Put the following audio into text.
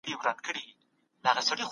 که سوله وي نو ژوند به خوندور سي.